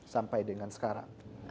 sampai dengan sekarang